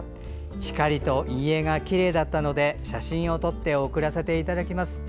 光と陰影がきれいだったので写真を撮って送らせていただきます。